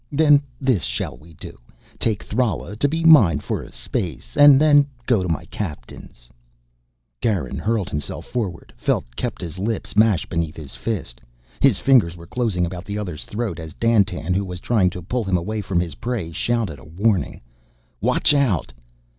Then this shall we do: take Thrala, to be mine for a space, and then to go to my captains " Garin hurled himself forward, felt Kepta's lips mash beneath his fist; his fingers were closing about the other's throat as Dandtan, who was trying to pull him away from his prey, shouted a warning: "Watch out!"